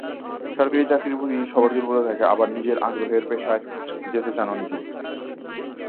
সরকারি চাকরির প্রতি সবার দুর্বলতা থাকে, আবার নিজের আগ্রহেরও পেশায় যেতে চান অনেকেই।